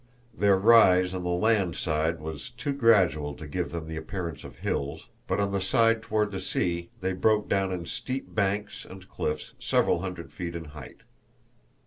Their rise on the land side was too gradual to give them the appearance of hills, but on the side toward the sea they broke down in steep banks and cliffs several hundred feet in height.